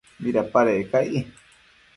¿midacquid cai ?